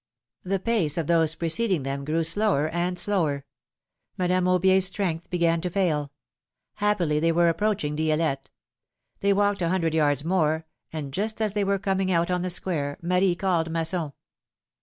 The pace of those preceding them grew slower and slower. Madame Aubier's strength began to fail. Hap pily, they were approaching Di^lette. They walked a hundred yards more, and just as they were coming out on the square, Marie called Masson.